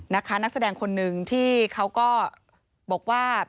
นักแสดงคนหนึ่งที่เขาก็บอกว่า